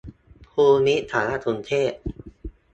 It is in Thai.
ภูมิสารสนเทศ